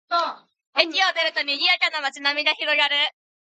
駅を出ると、にぎやかな街並みが広がる